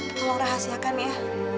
tolong rahasiakan ya